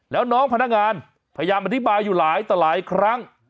แล้วน้องพนักงานพยายามอธิบายอยู่หลายต่อหลายครั้ง